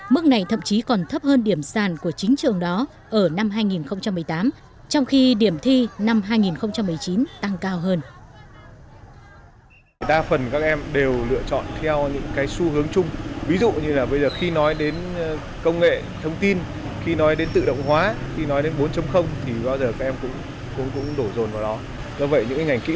mức này thậm chí còn thấp hơn điểm sàn của chính trường đó ở năm hai nghìn một mươi tám trong khi điểm thi năm hai nghìn một mươi chín tăng cao hơn